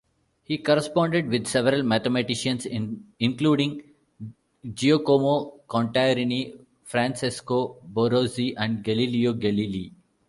He corresponded with several mathematicians including Giacomo Contarini, Francesco Barozzi and Galileo Galilei.